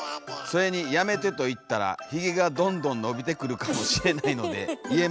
「それに『やめて』と言ったらひげがどんどんのびてくるかもしれないので言えません。